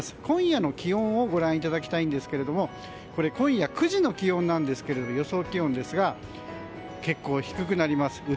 今夜の気温をご覧いただきたいんですが今夜９時の気温なんですが予想気温ですが結構低くなります。